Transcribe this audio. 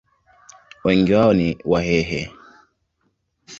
Wengi wao ni Wahehe.